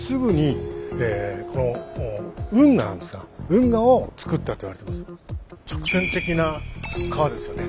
運河を造ったと言われてます。